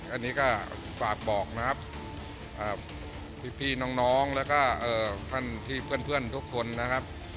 อันนี้ก็ฝากบอกนะครับพี่น้องแล้วก็ท่านที่เพื่อนทุกคนนะครับ